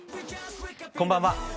こんばんは。